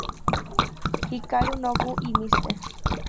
Hikaru no Go y Mr.